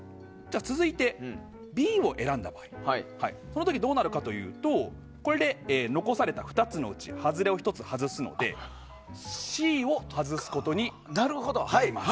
続いて、Ｂを選んだ場合この時はどうなるかというとこれで残された２つのうち外れを１つ外すのでＣを外すことになります。